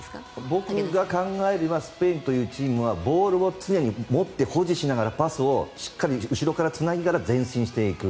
僕が考えるスペインというチームはボールを常に持って保持しながらパスをしっかり後ろからつなぎながら前進していく。